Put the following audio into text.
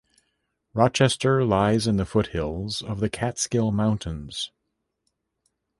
Rochester lies in the foothills of the Catskill Mountains.